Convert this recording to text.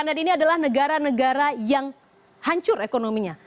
dan ini adalah negara negara yang hancur ekonominya